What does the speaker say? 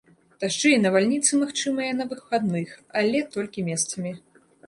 Дажджы і навальніцы магчымыя на выхадных, але толькі месцамі.